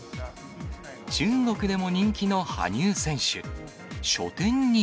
中国でも人気の羽生選手。